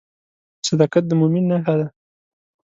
صداقت د مؤمن نښه ده.